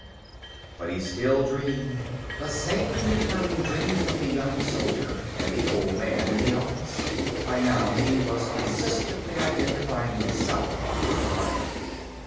But he still dreamed, the same recurring dream of the young soldier and the old man in the office. By now, he was consistently identifying himself with the latter.